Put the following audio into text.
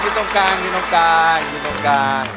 กินตรงกลางกินตรงกลางกินตรงกลาง